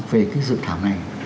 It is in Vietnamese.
về cái dự thảo này